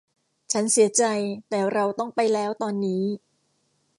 ฉันเสียใจแต่เราต้องไปแล้วตอนนี้